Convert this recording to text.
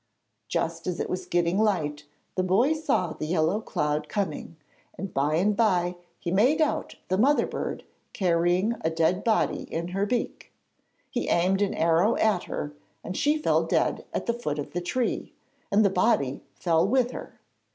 Just as it was getting light the boy saw the yellow cloud coming, and by and bye he made out the mother bird carrying a dead body in her beak. He aimed an arrow at her and she fell dead at the foot of the tree, and the body fell with her.